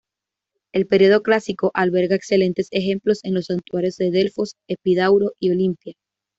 El período clásico alberga excelentes ejemplos en los santuarios de Delfos, Epidauro y Olimpia.